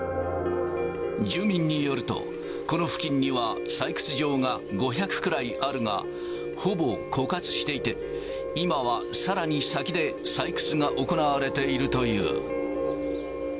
住民によると、この付近には採掘場が５００くらいあるが、ほぼ枯渇していて、今はさらに先で採掘が行われているという。